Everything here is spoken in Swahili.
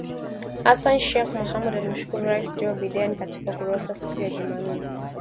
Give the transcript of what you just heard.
Hassan Sheikh Mohamud alimshukuru Raisi Joe Biden katika ukurasa siku ya Jumanne